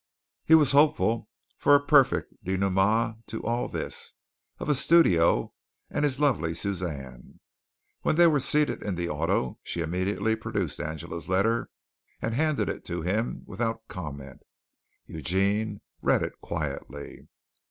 He was hopeful of a perfect dénouement to all this of a studio and his lovely Suzanne. When they were seated in the auto, she immediately produced Angela's letter and handed it to him without comment. Eugene read it quietly.